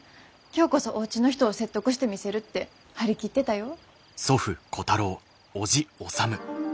今日こそおうちの人を説得してみせるって張り切ってたよ。